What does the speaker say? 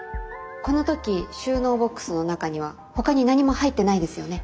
この時収納ボックスの中にはほかに何も入ってないですよね。